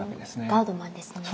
ガードマンですね。